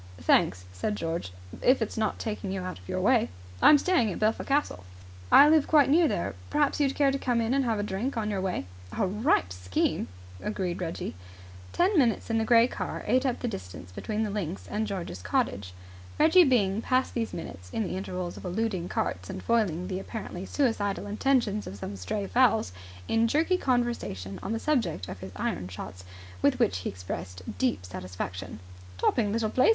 "Thanks," said George. "If it's not taking you out your way." "I'm staying at Belpher Castle." "I live quite near there. Perhaps you'd care to come in and have a drink on your way?" "A ripe scheme," agreed Reggie Ten minutes in the grey car ate up the distance between the links and George's cottage. Reggie Byng passed these minutes, in the intervals of eluding carts and foiling the apparently suicidal intentions of some stray fowls, in jerky conversation on the subject of his iron shots, with which he expressed a deep satisfaction. "Topping little place!